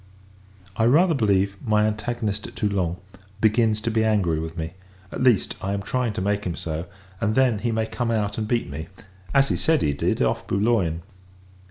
I rather believe, my antagonist at Toulon, begins to be angry with me: at least, I am trying to make him so; and then, he may come out, and beat me, as he says he did, off Boulogne.